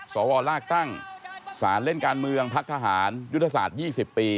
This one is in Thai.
สวลากตั้งสารเล่นการเมืองพักทหารยุทธศาสตร์๒๐ปี